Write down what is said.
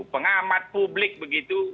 pengamat publik begitu